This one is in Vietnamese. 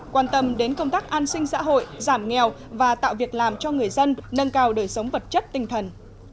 quan tâm đến công tác an sinh xã hội giảm nghèo và tạo việc làm cho người dân nâng cao đời sống vật chất tinh thần